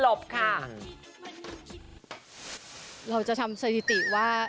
เราจะทำสถิติว่า